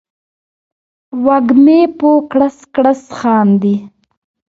وږمې په کړس، کړس خاندي